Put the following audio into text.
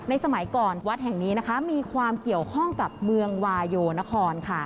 สมัยก่อนวัดแห่งนี้มีความเกี่ยวข้องกับเมืองวาโยนคร